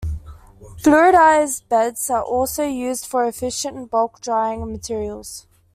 Fluidised beds are also used for efficient bulk drying of materials.